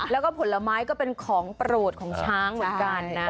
แล้วก็ผลไม้ก็เป็นของโปรดของช้างเหมือนกันนะ